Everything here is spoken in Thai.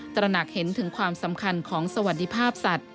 ตระหนักเห็นถึงความสำคัญของสวัสดิภาพสัตว